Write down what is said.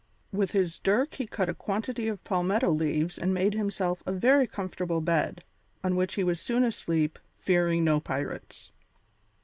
With his dirk he cut a quantity of palmetto leaves and made himself a very comfortable bed, on which he was soon asleep, fearing no pirates.